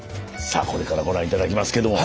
さあこれからご覧頂きますけども。